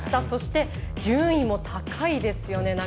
そして、順位も高いですよね。